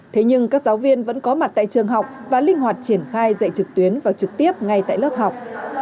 thế nhưng các giáo viên vẫn có mặt tại trường học và linh hoạt triển khai dạy trực tuyến và trực tiếp ngay tại lớp học